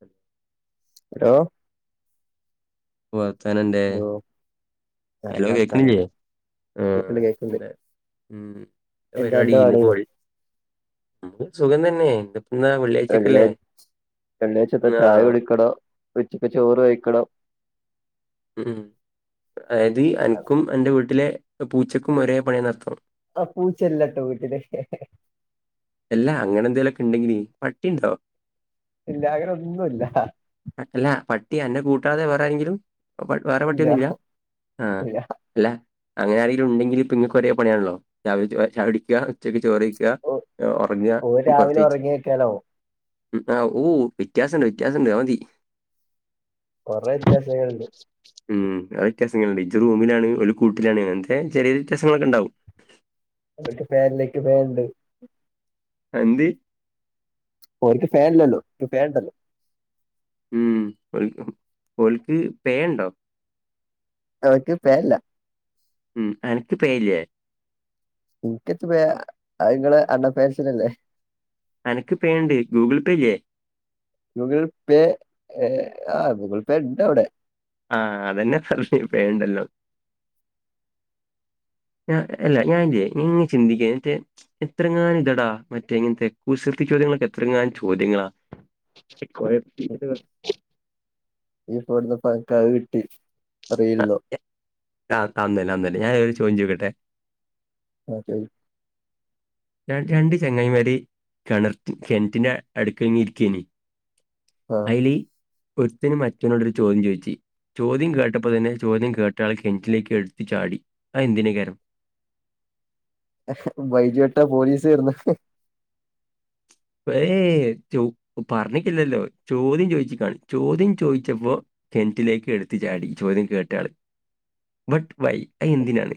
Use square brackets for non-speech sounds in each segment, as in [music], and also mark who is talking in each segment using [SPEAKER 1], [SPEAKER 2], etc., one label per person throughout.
[SPEAKER 1] ഹ്
[SPEAKER 2] ഹലോ
[SPEAKER 1] വർത്താനംണ്ട്
[SPEAKER 2] നല്ലർത്താനം
[SPEAKER 1] ഏയ് എന്താ ഉം
[SPEAKER 2] എന്താ അന്റെ പാട്
[SPEAKER 1] പരിപാടിന്ന് പോയ് നമ്മക്ക് സുഖം തന്നെ [unintelligible] ന്നാവുല്ലേ
[SPEAKER 2] വെള്ളിയാ വെള്ളിയാഴ്ചത്ത ചായ
[SPEAKER 1] ആഹ്
[SPEAKER 2] കുടിക്കണം ഉച്ചക്ക് ചോറ് കഴിക്കണം
[SPEAKER 1] ഉം ആയത് അനിക്കും അന്റെ വീട്ടിലെ പൂച്ചക്കും ഒരേ പണിയെന്നർത്ഥം
[SPEAKER 2] ആ പൂച്ചല്ലട്ടോ വീട്ടില്
[SPEAKER 1] എല്ല അങ്ങനെ എന്തേലുമൊക്കെ ഉണ്ടെങ്കില് പട്ടിണ്ടോ
[SPEAKER 2] ഇല്ല. അങ്ങന ഒന്നു ഇല്ല.
[SPEAKER 1] അല്ല പട്ടി അന്റെ കൂട്ടാതെ വേറെ ആരെെങ്കിലും വേറെ
[SPEAKER 2] ഇല്ല
[SPEAKER 1] പട്ടിയൊന്നുല്ല ആ
[SPEAKER 2] ഇല്ല
[SPEAKER 1] അല്ല അങ്ങനെ ആരെങ്കിലും ഉണ്ടെങ്കിലുപ്പോ ഇങ്ങൾക്ക് ഒരേ പണിയാണല്ലോ. രാവിലെ ആഹ് ചായകുടിക്ക്യാ ഉച്ചക്ക് ചോറ്ഴിക്ക്യാ
[SPEAKER 2] ഓ
[SPEAKER 1] ഉറങ്യ
[SPEAKER 2] ഓര് രാവിലെ
[SPEAKER 1] പ്രതേകിച്ച
[SPEAKER 2] ഒറങ്ങിയേക്കാലോ
[SPEAKER 1] ഉം ആഹ് ഓഹ് വ്യത്യാസുണ്ട്‌ വ്യത്യാസുണ്ട് അത് മതി
[SPEAKER 2] കൊറേ വ്യെത്യാസങ്ങള്ണ്ട്
[SPEAKER 1] ഉം അത് വ്യെത്യാസങ്ങള്ണ്ട് ഇജ് റൂമിലാണ് ഓല് കൂട്ടിലാണ് അങ്ങൻത്തെ ചെറ്യേ വ്യെത്യാസങ്ങളൊക്കെണ്ടാവും
[SPEAKER 2] അതൊക്കെ പേൻലേക്ക് പേൻണ്ട്
[SPEAKER 1] അന്തി
[SPEAKER 2] ഓർക്ക് ഫേൻല്ലല്ലോ ക്ക് ഫേൻണ്ടല്ലോ
[SPEAKER 1] ഉം ഓൽക് ഹം ഓൽക്ക് പേണ്ടോ
[SPEAKER 2] അവക്ക് പേല്ല
[SPEAKER 1] ഉം അനക്ക് പേ ഇല്യ
[SPEAKER 2] ഇന്കേത്ത് പേ അങ്ങളെ അണ്ടർ പെയ്സിനല്ലേ?
[SPEAKER 1] അനക്ക് പേണ്ട് ഗൂഗിൾ പേല്യെ
[SPEAKER 2] ഗൂഗിൾ പേ എ ആ ഗൂഗിൾ പേണ്ട് അവ്ടെ
[SPEAKER 1] ആഹ് അതന്നെ പറഞ്ഞെ പേ ഉണ്ടല്ലോ
[SPEAKER 2] [inaudible]
[SPEAKER 1] ഞാഅല്ല ഞാൻ ഇങ്ങനെ ചിന്ദിക്കുവാ ഇട്ട് എത്രങ്ങാനും ഇതടാ മറ്റേ ഇങ്ങനത്തെ കുസിൃതി ചോദ്യങ്ങളൊക്കെ എത്രങ്ങാനം ചോദ്യങ്ങളാ [unintelligible]
[SPEAKER 2] ഈ പടുന്ന പക്കാവ് കിട്ടി
[SPEAKER 1] ആ,
[SPEAKER 2] അറിയില്ലല്ലോ
[SPEAKER 1] ആ അന്നന്നെഅന്നന്നെ ഞാനൊരു ചോദ്യം ചോദിക്കട്ടെ
[SPEAKER 2] ഓക്കേ [inaudible]
[SPEAKER 1] രണ്ട് ചങ്ങൈമാര് കിണർ കിണറ്റിന്റെ അടുത്ത് തന്നെ ഇരിക്കയ്നി
[SPEAKER 2] ആഹ്
[SPEAKER 1] അയില് ഒര്ത്തന് മറ്റോനോടൊരു ചോദ്യം ചോയ്ച്ച് ചോദ്യം കേട്ടപ്പ തന്നെ ചോദ്യം കേട്ടാള് കെൺറ്റിലേക്ക് എട്ത്തി ചാടി അതെന്തിനെയ്ക്കാരം?
[SPEAKER 2] എഹെ ബൈജുവേട്ട പോലീസ് വെരുന്നു
[SPEAKER 1] ഏഹേ ചൊ പറഞ്ഞിക്കില്ലല്ലോ ചോദ്യം ചോയ്ച്ച്ക്കാണ് ചോദ്യം ചോയ്ച്ചപ്പോ കെൺറ്റിലേക്ക് എട്ത്ത് ചാടി ചോദ്യം കേട്ടാള് ബട്ട് വൈ? അത് എന്തിനാണ്?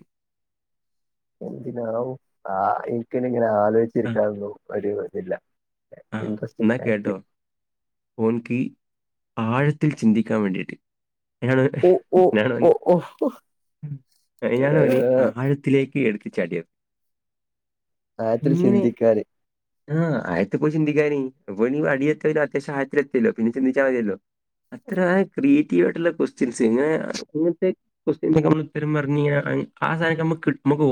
[SPEAKER 2] എന്തിന ഹും ആ എനിക്കിന ഇങ്ങനെ
[SPEAKER 1] ആ
[SPEAKER 2] ആലോചിച്ചിരിക്കാന്നു ഒരു ഇതില്ല
[SPEAKER 1] ആ
[SPEAKER 2] ഇൻട്രസ്റ്റിംഗ്
[SPEAKER 1] എന്നാകേട്ടോ
[SPEAKER 2] ഫാക്ട്
[SPEAKER 1] ഓർക്ക്ആഴത്തിൽ ചിന്തിക്കാൻ വേണ്ടിയിട്ട്
[SPEAKER 2] ഓ ഓ
[SPEAKER 1] ഞാനാണ്
[SPEAKER 2] ഓ ഓ
[SPEAKER 1] ഞൻ
[SPEAKER 2] ഏഹ്
[SPEAKER 1] ഇനിആഴത്തിലേക്ക് എടുത്തി ചാടിയത്
[SPEAKER 2] ആഴത്തിൽ
[SPEAKER 1] ഇങ്ങനെ
[SPEAKER 2] ചിന്തിക്കാതെ
[SPEAKER 1] ആ അയ പോയി ചിന്തിക്കാനേ അടിയെത്തും അത്യാവറശ്യം ആയത്തിൽ എത്തിയ ലോ പിന്നെ ചിന്തിച്ചാ ൽമതിയല്ലോ അത്ര ക്രിയേറ്റീവ് ആയിട്ടുള്ള ക്വസ്റ്റ്യൻസ് ഇങ്ങത്തെ ക്വസ്റ്റ്യൻസ്ഉത്തരം പറഞ്ഞ് കഴിഞ്ഞആ സാ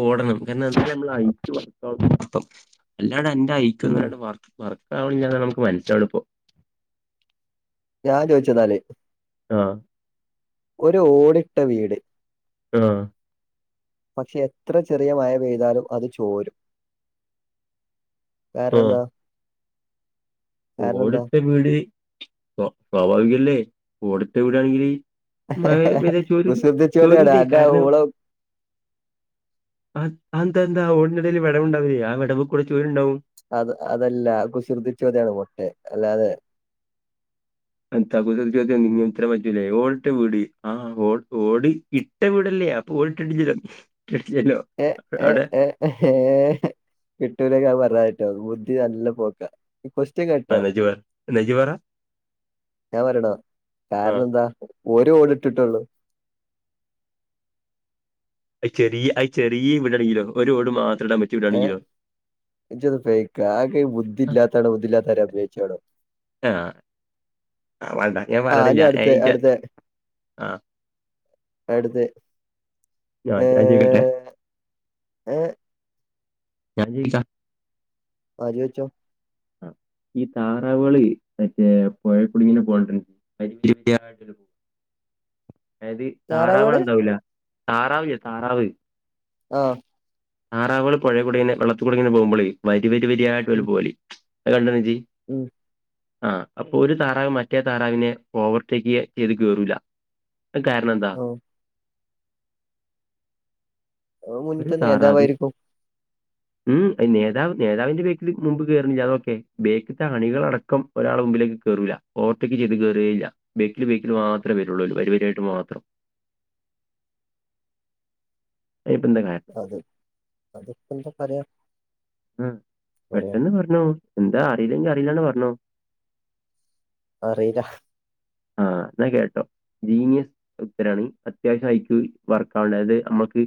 [SPEAKER 1] ഓടണം കാരണം അത് നമ്മുടെ ഐറ്റുംആണ് പ്പം അല്ലാണ്ട് എൻന്റെ ഐക് യു
[SPEAKER 2] ഉം
[SPEAKER 1] വർക്കാവില്ല എന്നാ മനസിലാക്കുന്നത് പ്പം
[SPEAKER 2] ഞാൻ ചോദിച്ചെന്നാല്.
[SPEAKER 1] ആ
[SPEAKER 2] ഒരു ഓടിട്ട വീട്
[SPEAKER 1] ആഹ
[SPEAKER 2] പക്ഷെ എത്ര ചെറിയ മഴ പെയ്താലും അത് ചോരും വേറെ എന്താ കാരണം എന്താ
[SPEAKER 1] ഓട്ട്ടെ വീട് സ് സ്വാഭാവികല്ലേ ഓട് ട്ടെ വീടാണെങ്കില് മഴ പെയ്ത ചോരു
[SPEAKER 2] കുസൃതി ചോദ്യാണ്
[SPEAKER 1] ചോരുല്ലേ
[SPEAKER 2] അന്റെ
[SPEAKER 1] കാരണം
[SPEAKER 2] ഊള
[SPEAKER 1] ആ അന്താന്താ ഓടിനടയിൽ വിടവംണ്ടാവില്ലേ ആ വിടവ കൂടെ ചോരുണ്ടാവും
[SPEAKER 2] അത് അതല്ല കുസൃതിച്ചോദ്യാണ് പോട്ടെ അല്ലാതെ
[SPEAKER 1] തപ്പത് ചോദ്യനിങ്ങക്ക് ഉത്തരം പറ്റൂലേ ഓൾട് വിടി ആ ഓടി കിട്ട് ഏ വിടല്ലി അപ്പോൾ ഓടിട്ടില്ലല്ലോ
[SPEAKER 2] ഏ് ഏ ഏ് ഏഹ് കിട്ടൂലങ്കി അത് പറഞ്ഞതിട്ടോ ബുദ്ധി നല്ല പോക്കാ കൊസ്റ്റ്യൻ കഴി
[SPEAKER 1] ആ നെജിവർ നെജിവറ
[SPEAKER 2] ഞാൻ പറയണോ
[SPEAKER 1] ആ
[SPEAKER 2] കാരണം എന്താ ഒരു ഓട് ഇട്ടിട്ടള്ളൂ.
[SPEAKER 1] അത് ചെറിയ അത് ചെറിയ ഇവിടാണെങ്കിലോ ഒരു ഓട് മാത്രം ഇടാ പറ്റി വിടുകയാണെങ്കിലോ?
[SPEAKER 2] ഇജ്ജോന്നു പൊയ്ക്കെ കാക്ക് ബുദ്ധി ഇല്ലാത്തെ ആണോ ബുദ്ധി ഇല്ലാത്തമാരി അഭിനയ്ക്കാണോ ആ ഇനി അടുത്ത
[SPEAKER 1] [unintelligible]
[SPEAKER 2] അവിടുത്തെ
[SPEAKER 1] ആഹ് ഞാൻ ചോയ്ക്കട്ടെ
[SPEAKER 2] ഏഹ്
[SPEAKER 1] ഞാൻ ചോയ്ച്ചാ
[SPEAKER 2] വായില് വെച്ചോ
[SPEAKER 1] ആഹ് ഈ താറാവുകളെ മറ്റേ പുഴേക്കൂടിങ്ങനെ പോണത് വരി വരിയായിട്ട്
[SPEAKER 2] [inaudible]
[SPEAKER 1] അതായത് താറാവുകള്
[SPEAKER 2] താറാവാണ്
[SPEAKER 1] എന്താവൂല താറാവില്ലേ താറാവ്
[SPEAKER 2] ആഹ്
[SPEAKER 1] താറാവ്കള് പുഴേ കൂടിങ്ങനെ വെള്ളത്തി കൂടിങ്ങനെ പോകുമ്പോളേ വരി വരി വരിയായിട്ട് പോവല് അത് കണ്ടുക്കുന്നോ ഇജ്ജ്
[SPEAKER 2] ഉംഹ്
[SPEAKER 1] ആഹ് അപ്പൊ ഒരു താറാവ് മറ്റേ താറാവിനെ ഓവർടേക്ക് ചെ ചെയ്ത് കേറൂല അത് കാരണം എ
[SPEAKER 2] ആ ആ,
[SPEAKER 1] ഒരു
[SPEAKER 2] മുന്നത്തെ
[SPEAKER 1] താറാവ്
[SPEAKER 2] നേതാവായിരിക്കും
[SPEAKER 1] ഉംഹ് നേതാവ് നേതാവിന്റെ ബേക്കില് മുമ്പ് കേയറില്ല അത് ഓക്കെ ബേക്ക് കാണികളടക്കം ഒരാളെ മുമ്പിലേക്ക് കയറൂല്ല ഓവർ ടെയ്ക്ക് ചെയ്ത് കയറേയില്ല ബാക്കിൽ ബാക്കിൽ മാത്രേ വരുള്ളൂ വരി വരിയായിട്ട് മാത്രം. അതിന് ഇപ്പൊ എന്താ കാര
[SPEAKER 2] അതെ അതൊക്കെ എന്താ പറയാ
[SPEAKER 1] ഉംഹ്
[SPEAKER 2] പറയാ
[SPEAKER 1] പെട്ടെന്ന് പറഞ്ഞോളു എന്താ അറിയില്ലെങ്കിൽ അറിയില്ലാന്ന് പറഞ്ഞോ
[SPEAKER 2] അറിയില്ല
[SPEAKER 1] ആഹ് എന്നാ കേട്ടോ ജീനിയസ് ഉത്തരാണ് അത്യാവശ്യം ആയിട്ട് വർക്കാവില്ല അതായത് നമ്മുക്ക്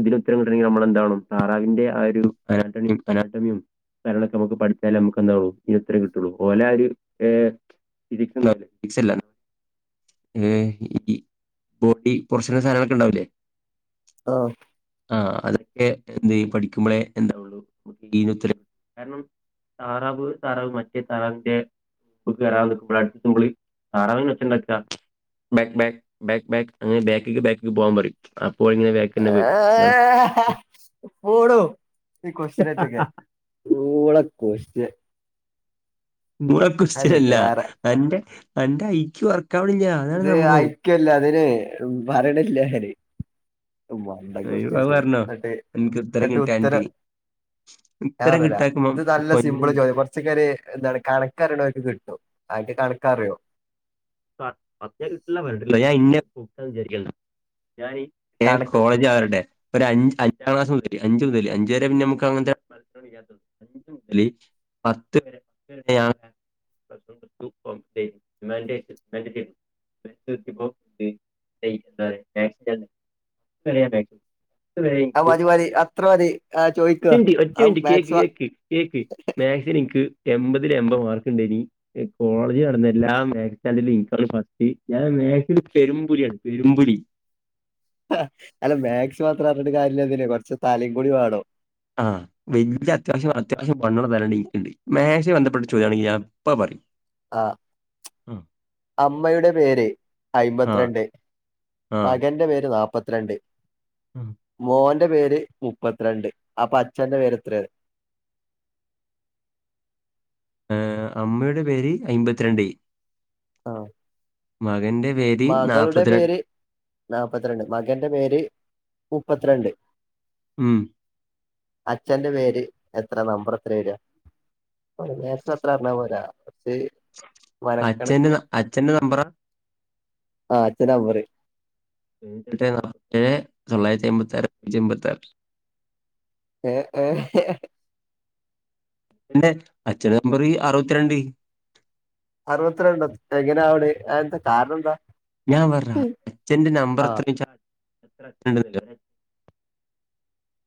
[SPEAKER 1] ഇതിൽ ഉത്തരം കിട്ടണെങ്കിൽ നമ്മളെന്താവണം താറാവിന്റെ ആ ഒരു അനാടമിയും അനടമിയും കാരണംമൊക്കെ നമുക്ക് പഠിച്ചാലേ നമുക്ക് എന്താ ഉള്ളൂ ഇതിന് ഉത്തരം കിട്ടുള്ളൂ ഓല് ആണെങ്കി ഒരു ആഹ് [unintelligible] ഏഹ് ഈ ബോഡി പോർഷനും സാധനങ്ങളൊക്കെ ഉണ്ടാവില്ലേ
[SPEAKER 2] ആഹ്
[SPEAKER 1] ആഹ് അതൊക്കെ എന്ത് പഠിക്കുമ്പോളേ എന്താവുള്ളു ജീവിതത്തില് കാരണം താറാവ് താറാവ് മറ്റേ താറാവിന്റെ [unintelligible] താറാവിന്റെ ഒച്ചയുണ്ടാക്കുവാ ബാക്ക് ബാക്ക് ബാക്ക് ബാക്ക് അങ്ങനെ ബാക്കക്ക് ബാക്കക്ക് പോവാൻ പറയും അപ്പോ ഇങ്ങനെ ബാ
[SPEAKER 2] പോടോ ഈ കൊസ്റ്റിയനായിട്ടൊക്കെ നിങ്ങടെ ക്യൊസ്ടിയൻ
[SPEAKER 1] ഊള
[SPEAKER 2] ചോദിക്ക
[SPEAKER 1] ക്വസ്റ്റ്യൻല്ല
[SPEAKER 2] വേറെ
[SPEAKER 1] അന്റെ അന്റെ ഐക്യു വർക്കവണില്ല.
[SPEAKER 2] ഇത് ഐക്യു അല്ല അതിന് പറയണില്ല ഞാന്. വണ്ട
[SPEAKER 1] അയ്യോ, അത്
[SPEAKER 2] [unintelligible]
[SPEAKER 1] പറഞ്ഞോ
[SPEAKER 2] എന്നട്ട്
[SPEAKER 1] എനിക്ക് ഉത്തരം
[SPEAKER 2] നട്ട് ഉത്തര
[SPEAKER 1] കിട്ടാനിട്ട്
[SPEAKER 2] ഞാൻ
[SPEAKER 1] ഉത്തരം
[SPEAKER 2] പറഞ്ഞേര
[SPEAKER 1] കിട്ടാക്കുമ്പോ
[SPEAKER 2] ഇത് നല്ല സിമ്പിൾ
[SPEAKER 1] കൊഞ്ഞിനും
[SPEAKER 2] ചോദ്യ ഫസ്റ്റ് കുറിച്ചൊക്കെ ഒരു എന്താണ് കണക്കറീണോന്ക്ക് കിട്ടും. അണ്ക്ക് കണക്കറിയോ
[SPEAKER 1] പ കിട്ടുള്ള പറഞ്ഞത്തിട്ടില്ല ഞാൻ ഇന്നേ വിചാരിക്കണ്ട ഞാന് ഏഹ്
[SPEAKER 2] കണക്ക്
[SPEAKER 1] കോളേജ് ആരുടേ ഒരു അഞ്ച് അഞ്ചു ക്ലസ് മുതല് അഞ്ച് മുതൽ അഞ്ച വരെ പിന്ന നമുക്ക് അങ്ങനത്തെ [unintelligible] [unintelligible] പത്ത് വരൊണ് [unintelligible] [unintelligible] കറിയാതെ ഇത് വരെ
[SPEAKER 2] ആ
[SPEAKER 1] ആയിട്ടും
[SPEAKER 2] മതി മതി അത്ര മതി ആ ചോദിക്കുക
[SPEAKER 1] ഒറ്റമിനുട്ട്
[SPEAKER 2] ആ
[SPEAKER 1] ഒറ്റമിനുട്ട് കേക്ക്
[SPEAKER 2] മാത്സ്
[SPEAKER 1] കേക്ക്. കേക്ക് മാക്സ്ന് ഇൻക്ക് എമ്പതില് എമ്പത് മാർക്ക്ണ്ടായ്നി കോളേജ് നടന്ന എല്ലാ മേ അതില് ഇക്കാണ് ഫസ്റ്റ് ഞാൻ മേക്‌സ്‌ല് പെരും പുല്യാണ് പെരും പുലി
[SPEAKER 2] അല്ല മാക്സ് മാത്രം അർഞ്ഞിട്ട് കാര്യല്ലത്‌നേ കൊർച്ച് തലിം കൂടി വാണം
[SPEAKER 1] ആഹ് വല്യ അത്യാവശ്യം അത്യാവശ്യം വണ്ണള്ളെ തലന്നെൻക്ക്ണ്ട് മേക്സായ് ബെന്ധെപ്പെട്ട ചോദ്യാണെങ്കി ഞാൻപ്പ പറിം
[SPEAKER 2] ആഹ് അമ്മയുടെ പേര്
[SPEAKER 1] ആ
[SPEAKER 2] അയ്മ്പത്ത് രണ്ട്
[SPEAKER 1] ആ.
[SPEAKER 2] മകന്റെ പേര് നാപ്പത്ത്‌രണ്ട്
[SPEAKER 1] ഉം
[SPEAKER 2] മോന്റെ പേര് മുപ്പത്ത്രണ്ട് അപ്പൊ അച്ഛന്റെ പേര് എത്രയ
[SPEAKER 1] ഏഹ് അമ്മയുടെ പേര് അയ്മ്പത്ത്‌രണ്ട്
[SPEAKER 2] ആഹ്
[SPEAKER 1] മകന്റെ പേര് നല്ലപത്തിരണ്ട്
[SPEAKER 2] നാപ്പത്ത്‌രണ്ട് മകന്റെ പേര് മുപ്പത്ത്‌രണ്ട്
[SPEAKER 1] ഉം
[SPEAKER 2] അച്ഛന്റെ പേര് എത്ര നമ്പർ എത്ര വരാ [unintelligible] നേരത്തെ അത്ര അറഞ്ഞാ പോരാ പക്ഷേ
[SPEAKER 1] അച്ഛന്റെ അച്ഛന്റെ നമ്പറാ
[SPEAKER 2] ആഹ് അഛനാ പറി
[SPEAKER 1] ട്ടേ നാപ്പ്ത്തേഴേ തൊള്ളായ്ര്ത്തി അയ്മ്പത്താറ് റ്റി മ്പെത്താറ്
[SPEAKER 2] ഏഹ് ഏഹ്
[SPEAKER 1] ന്റെ അച്ഛനമ്പത് അറുപത്തിരണ്ട്
[SPEAKER 2] അർവത്രണ്ടാ എങ്ങനെ ആവ്ണെ അഹ് എന്താ കാരണം എന്താ
[SPEAKER 1] ഞാൻ പർഞ്ഞരാ അച്ഛന്റെ നമ്പർ
[SPEAKER 2] ആ
[SPEAKER 1] എത്രേയ്ചാ എത്ര അക്കണ്ട് [unintelligible]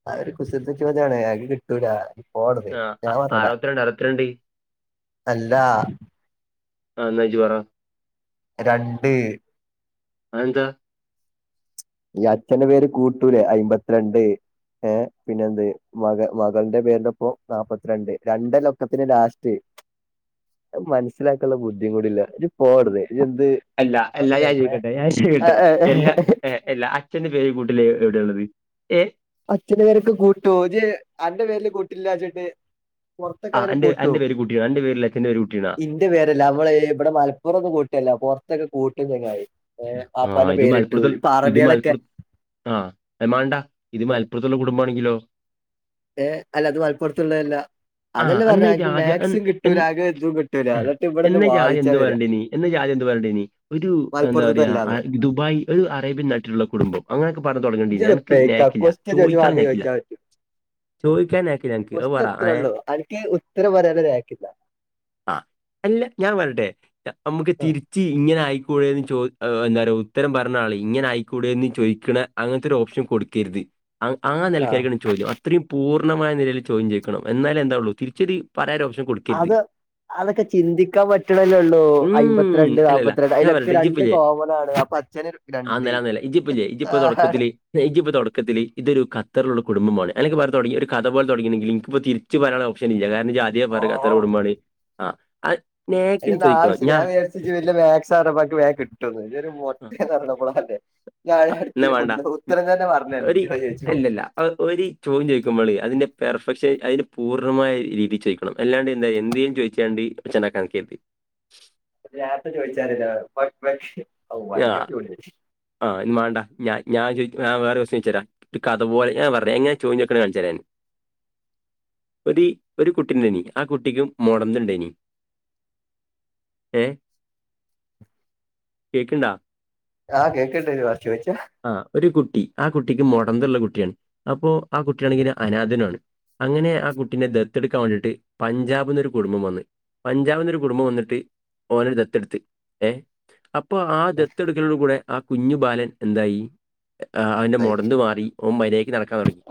[SPEAKER 2] ആഹ് ഒര് കുസൃതി ചോദ്യാണ് അക്ക് കിട്ടൂലാ ഓട
[SPEAKER 1] ആ,
[SPEAKER 2] ഞാൻ
[SPEAKER 1] അ-
[SPEAKER 2] പറഞ്ഞേല
[SPEAKER 1] അറുപത്തിരണ്ട് അറുപത്തിരണ്ട്
[SPEAKER 2] അല്ലാ
[SPEAKER 1] ആഹ് എന്നാജ് പറാ
[SPEAKER 2] രണ്ട്
[SPEAKER 1] അ എന്താ
[SPEAKER 2] ഈ അച്ഛന്റെ പേര് കൂട്ടൂലേ അയമ്പത്തിരണ്ട് ഏഹ് പിന്നെന്ത് മക മകൾന്റെ പേര്ന്റൊപ്പം നാപ്പത്ത്‌രണ്ട് രണ്ടന്നെ ഒക്കെത്തിന്റിം ലാസ്റ്റ് മനസ്സിലാക്കുള്ള ബുദ്ധി കൂടില്ല ഇജ്ജ് പോഅവ്ട്ന്ന്
[SPEAKER 1] അല്ല എല്ലാ ഞാൻ ചോയ്ക്കട്ടെ ഞാൻ ചോയ്ക്കട്ടെ എല്ലാ ഏഹ് അല്ല അച്ഛന്റെ പേര് കൂട്ടില് എവിടെയള്ളത് ഏഹ്
[SPEAKER 2] അച്ഛന്റെ പേരൊക്കെ കൂട്ടോ അന്റെ പേരില് കൂട്ടില്ലച്ചിട്ട്
[SPEAKER 1] ആഹ് എന്റെ അന്റെ പേര് കുട്ടിന്നാ എന്റെ പേരില് അച്ഛന്റെ പേര് കുട്ടിന്നാ
[SPEAKER 2] ഇന്റെ പേരല്ലാ അമ്മള് ഇബ്ടെ മലപ്പാെറം കൂട്ടല്ലാ പൊർത്തൊക്കെ കൂട്ടും ചെങ്ങായ് ഏഹ് ബാപ്പാന്റെ പേരിട്ടു ഇപ്പൊ അറബികളെക്കെ
[SPEAKER 1] ആഹ് അത് മാണ്ട ഇത് മലപ്പർത്ത്ള്ള കുടുംബാണെങ്കിലോ
[SPEAKER 2] ഏഹ് അല്ല അത് മലപ്പൊർത്ത്ള്ളല്ലാ
[SPEAKER 1] ആ
[SPEAKER 2] അതല്ലേ
[SPEAKER 1] എന്നാ ഇത്
[SPEAKER 2] പറഞ്ഞെ മാക്സും
[SPEAKER 1] ആദ്യം
[SPEAKER 2] കിട്ടൂല ആകെ ഇതും കിട്ടൂല
[SPEAKER 1] ആഹ്.
[SPEAKER 2] എന്നിട്ട് ഇവിടെന്ന്
[SPEAKER 1] എന്ന ജാതി
[SPEAKER 2] വാദിച്ചാ
[SPEAKER 1] എന്ത്
[SPEAKER 2] വരാ
[SPEAKER 1] പറയണ്ടീനി എന്ന ജാതിം എന്ത് പറഞ്ഞണ്ടനി ഒരു എന്താ പറയയാ
[SPEAKER 2] മലപ്പുറത്തതല്ലാന്ന്
[SPEAKER 1] ദുബായ് ഒരു അറേബ്യൻ നട്ടിലുള്ള കുടുംബം അങ്ങനെയൊക്കെ പറഞ്ഞ് തുടങ്ങേണ്ടിനി
[SPEAKER 2] ഇജ്ജത്
[SPEAKER 1] അനിക്ക്
[SPEAKER 2] ഫേക്കാ
[SPEAKER 1] നേക്കില്ല
[SPEAKER 2] ക്വസ്റ്റ്യൻ
[SPEAKER 1] ചോദിക്കാനും നേക്കില്ല ചോദിക്കാൻ നേക്കില്ല എനിക്ക് അത് പറ
[SPEAKER 2] കൊസ്റ്റ്യൻ
[SPEAKER 1] ഏ
[SPEAKER 2] ഇത്രൊള്ളൂ അൻക്ക് ഉത്തരം പറയാനാെര് നാക്ക്ല്ലാ
[SPEAKER 1] ആഹ് അല്ല ഞാൻ പറയട്ടെ നമ്മുക്ക് തിരിച്ച് ഇങ്ങനെ ആയിക്കൂടെന്ന് ചോ എന്താ പറയ ഉത്തരം പറഞ്ഞാള ഇങ്ങനെ ആയിക്കൂടീ ചോദിക്കണ അങ്ങനത്തെ ഒരു ഓപ്ഷൻ കൊടുക്കരുത് ആഹ് ആ
[SPEAKER 2] ആഹ്
[SPEAKER 1] നെലക്കായ്ക്കണം ചോദ്യം അത്രെയും പൂർണ്ണമായ നിലയില് ചോദ്യം ചോയ്ക്കണം എന്നാലെ എന്താവൊള്ളൂ തിരിച്ചതി പറയ ഓപ്ഷ കൊട്
[SPEAKER 2] അത് അതൊക്കെ ചിന്തിക്കാൻ പറ്റണല്ലേള്ളൂ
[SPEAKER 1] ഉം
[SPEAKER 2] അയമ്പത്തിരണ്ട്
[SPEAKER 1] അല്ലല്ല
[SPEAKER 2] നാല്പത്തി രണ്ട്
[SPEAKER 1] ഞാൻ
[SPEAKER 2] അതിലൊക്കെ രണ്ട് കോമൺ ആണ് അപ്പൊ അച്ഛന
[SPEAKER 1] ആന്ന് ആന്ന്ലേ ഇജിപ്പ ഇല്ലേ ഇജിപ്പ താെടക്കത്തില് എനിക്കിപ്പൊ തുടക്കത്തില് ഇതൊരു ഖത്തറിലുള്ള കുടുംബം പോലെ അല്ലെങ്കി [unintelligible] തുടങ്ങി ഒരു കഥ പോലെ തുടങ്ങിയെങ്കി എനിക്കിപ്പോ തി ചച്ച് പറയാനുള്ള ഓപ്ഷൻ ഇല്ല കാരണം ആദ്യവ
[SPEAKER 2] ഓ
[SPEAKER 1] പറ അത്ര കുടുംബമാണ് ആ നേക്കും
[SPEAKER 2] അയ്നൊന്നും
[SPEAKER 1] ചോദിക്കണം
[SPEAKER 2] ആവിശ്യം ഇല്ല
[SPEAKER 1] ഞാൻ
[SPEAKER 2] ഞൻ വിചാരിച് നി വലിയ മാത്‍സ് അണ്ണന് അറിഞ്ഞപ്പോ വേഗം കിട്ടുന്ന നി ഒരു
[SPEAKER 1] ആ,
[SPEAKER 2] മൊട്ട ആണന്നു അറിഞ്ഞ
[SPEAKER 1] എന്നാ
[SPEAKER 2] ഇപ്പോ
[SPEAKER 1] വേണ്ട
[SPEAKER 2] അല്ല [unintelligible]
[SPEAKER 1] ഉം,
[SPEAKER 2] ഉത്തരം തന്നെ [inaudible]
[SPEAKER 1] ഒരു
[SPEAKER 2] ചോദിച്ചോ
[SPEAKER 1] അല്ലല്ല ഒരു ചോദ്യം ചോയ്ക്കുമ്പോള അതിന്റെ പെർഫെക്ഷൻ അതിന്റെ പൂർണ്ണമായരീതി ചോദിക്കണമ് ണം അല്ലാണ്ട് എന്തിയന്ന് ചോയ്ച്ചാണ്ടി ഒച്ച ഉണ്ടാക്കാൻ നിക്കരുത്
[SPEAKER 2] രത്തെ ചോദിച്ചാൽ ഞൻ [unintelligible]
[SPEAKER 1] ആഹ് വേണ്ട ഞ ഞൻ ചോ ഞാന് വേറെ കോസ്റ്റിയൻ ചോയ്ച്ച തരാ ഒരു കഥ പോലെ ഞാന് പറഞ്ഞ എങ്ങനാ ചോദ്യംചൊയ്ക്കണ കാണിച്ച തരാംഞാൻ ഒരു ഒരു കുട്ടിണ്ടനി ആ കുട്ടിക്കും മുടന്ത് ഉണ്ടായിനി ഏെ കേക്കിണ്ടാ
[SPEAKER 2] ആഹ് കേൾക്കുണ്ട് ചോയ്ച്ച
[SPEAKER 1] ആ ഒരു കുട്ടി ആ കുട്ടിക്ക് മൊടന്തുള്ള കുട്ടിയാണ് അപ്പൊ ആ കുട്ടിയാണെങ്കിൽ അനാഥനണ് അങ്ങനെ ആ കുട്ടിനെ ദത്ത് എടുക്കാൻ വേണ്ടിയിട്ട് പഞ്ചാബിന്ന് ഒരു കുടുംബം വന്നു പഞ്ചാബിന്ന് ഒരു കുടുംബം വന്നിട്ട് ഒനേ ദത്തെടുത്ത് ഏഹ അപ്പൊ ആ ദെത്തെടുക്കലോടു കൂടെ ആ കുഞ്ഞു ബാലൻ എന്തായി ആ് അവന്റെ മുടഥ് മാറി ഓൻ മര്യാദക്ക് നടക്കാൻ തുടങ്ങി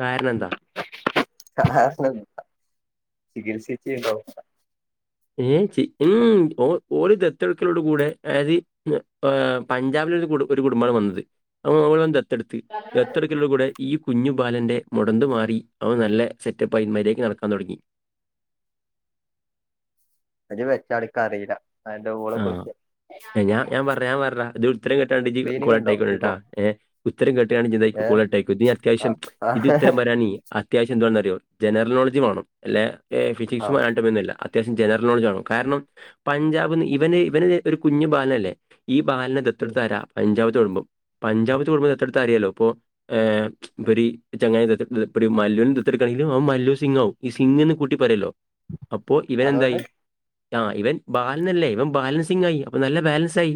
[SPEAKER 1] കാരണം എന്താ
[SPEAKER 2] [unintelligible]
[SPEAKER 1] [unintelligible] ദത്തെടുക്കലോട്കൂടെ അതായത് ആഹ് പഞ്ചാബില ഒരു ഒരു കുടുംബമാണ് വന്നത് [unintelligible] ടുത്ത് ദത്ത് എടുക്കലോടു കൂടെ ഈ കുഞ്ഞു ബാലന്റെറെ മുടന്ത് മാറി അവൻ നല്ല സെറ്റപ്പായി മര്യാദക്ക് നടക്കാൻ തുടങ്ങി
[SPEAKER 2] അത് വെച്ചളിക്ക അറിയില്ല അതിന്റെ ഊള
[SPEAKER 1] ആ
[SPEAKER 2] കോസ്റ്റിയൻ
[SPEAKER 1] ഏ ഞാഞാൻ പറ ഞാൻ പറഞ്ഞ ഉത്തരം കിട്ടണ്ട് നി
[SPEAKER 2] ക്ലീനിങ് ഉണ്ടോ ഇപ്പോ
[SPEAKER 1] [unintelligible] ഏ ഉത്തരം കേട്ടുകാണ് [unintelligible]
[SPEAKER 2] ഏഹ്
[SPEAKER 1] കോൾ കട്ടായി പോയി ഇാ അത്യാവശ്യം
[SPEAKER 2] ആഹ്
[SPEAKER 1] ഇത്
[SPEAKER 2] ആഹ്
[SPEAKER 1] ഉത്തരം പറാ നീ അത്യാവശ്യം എന്തുവാന്ന് അറിയോ ജനറൽ നോൾഡ്ജ് വേണം അല്ലെ ഫ്യ്സിക്സും
[SPEAKER 2] ആഹ്
[SPEAKER 1] ആനോടോമി യൊന്നും അല്ല അത്യാവശ്യം ജനറൽ നോൾഡ്ജ് ആവണം കാരണം പഞ്ചാബിന്ന് ഇവന് ഇവന് ഒരു കുഞ്ഞു ബാലൻ അല്ലേ ഈ ബാലനേ
[SPEAKER 2] ഉം
[SPEAKER 1] ദത്ത്എടുത്തയരാ പഞ്ചാബത്ത് കുടുംബം പഞ്ചാബത്ത് കുടുംബം ദത്ത്എടുത്താറിയാലോ ഇപ്പോ ആഹ് ഇപ്പൊ ചങ്ങായി മല്ലുനേ ദത്ത് എടുക്കുവാണ്ണാക്കി അവൻ മല്ലുസിങ് ആവും സിംഗ് എന്ന് കുട്ടി പറയല്ലോ അപ്പോ ഇവൻ
[SPEAKER 2] അതുകൊണ്ട്
[SPEAKER 1] എന്തായി ആഹ് ഇവൻ ബാലനല്ലേ ഇവൻ ബാലൻസിങ് ആയി അപ്പൊ നല്ല ബാലൻസ് ആയി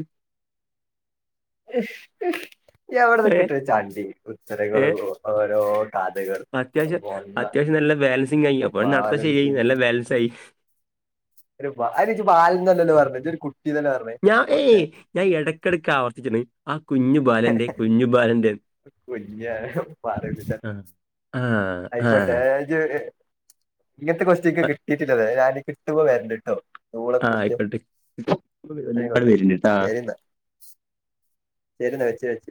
[SPEAKER 2] അവിടെ
[SPEAKER 1] ഏ
[SPEAKER 2] നിക്കിട്ട് ചാണ്ടി ഉത്തരങ്ങള
[SPEAKER 1] ഏ
[SPEAKER 2] ഓരോ കഥകളും
[SPEAKER 1] അത്യാവശ്യം അത്യാവശ്യം നല്ല ബാലൻസിംഗ ആയി അപ്പോഴ നടത്ത ശരിയായി
[SPEAKER 2] ബാലൻസ്
[SPEAKER 1] നല്ല ബാലൻസ് ആയി
[SPEAKER 2] [unintelligible] ബാലൻ എന്നല്ലല്ലോ പറഞ്ഞേ ഒരു കുട്ടിന്നല്ലേ പറഞ്ഞേ
[SPEAKER 1] ഞാൻ ഏയ് ഞാൻ ഇടയ്ക്കിടക്ക് ആവർത്തിച്ചിരുന്നു ആ കുഞ്ഞു ബാലൻന്റെ കുഞ്ഞു ബാലന്റെ
[SPEAKER 2] [unintelligible]
[SPEAKER 1] ആ ആ ആ
[SPEAKER 2] ആയിക്കോട്ടെ ഇങ്ങനത്തെ കോസ്റ്റിയൻ
[SPEAKER 1] ആ,
[SPEAKER 2] എനിക്ക് കിട്ടിട്ട് ഇല്ല വേറെ ഞൻ കിട്ടുപോ വരകേട്ടോ ഓൾ തെ ബെസ്റ്റ്
[SPEAKER 1] ആയിക്കോട്ടെ ഒരുപാട്
[SPEAKER 2] ആയിക്കോട്ടെ
[SPEAKER 1] പേരുണ്ട് കേട്ടോ
[SPEAKER 2] ശരി എന്നാ [unintelligible] വെച്ചു വെച്ചു